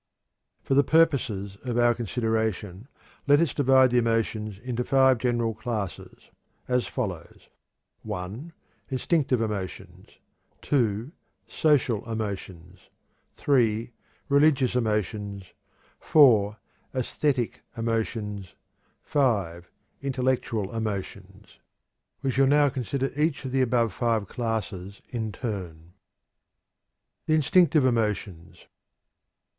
For the purposes of our consideration, let us divide the emotions into five general classes, as follows: (1) Instinctive emotions, (2) social emotions, (3) religious emotions, (4) æsthetic emotions, (5) intellectual emotions. We shall now consider each of the above five classes in turn. THE INSTINCTIVE EMOTIONS.